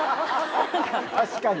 確かに。